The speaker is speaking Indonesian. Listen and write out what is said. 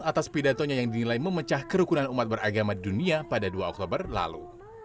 atas pidatonya yang dinilai memecah kerukunan umat beragama di dunia pada dua oktober lalu